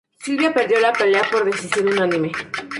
Silva perdió la pelea por decisión unánime.